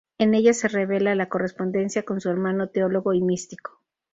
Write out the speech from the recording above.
En ellas se revela la correspondencia con su hermano, teólogo y místico.